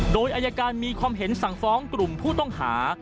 โดยอายการมีความเห็นสั่งฟ้องกลุ่มผู้ต้องหา